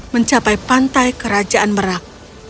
mencapai pantai kerajaan merak